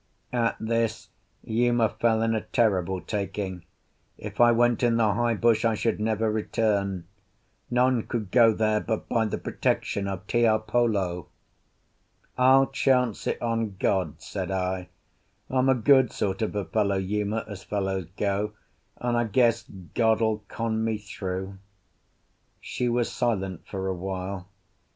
At this Uma fell in a terrible taking; if I went in the high bush I should never return; none could go there but by the protection of Tiapolo. "I'll chance it on God's," said I. "I'm a good sort of a fellow, Uma, as fellows go, and I guess God'll con me through." She was silent for a while.